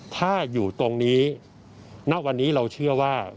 ถ้าอยู่ตรงนี้ณวันนี้เราเชื่อว่า